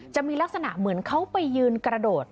จะมีลักษณะเหมือนเขาไปยืนกระโดด